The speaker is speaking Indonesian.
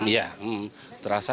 jadi terasa ya